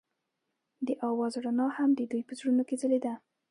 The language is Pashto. د اواز رڼا هم د دوی په زړونو کې ځلېده.